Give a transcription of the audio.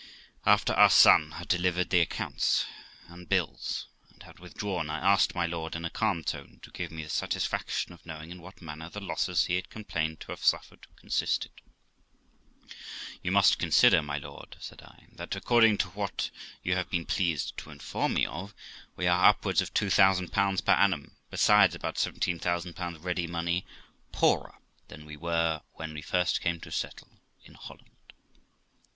After our son had delivered the accounts and bills, and had withdrawn, I asked my lord, in a calm tone, to give me the satisfaction of knowing in what manner the losses he had complained to have suffered consisted. 'You must consider, my lord', said I, 'that according to what you have been pleased to inform me of, we are upwards of 2000 per annum, besides about 17,000 ready money, poorer than we were when we first came to settle in Holland.'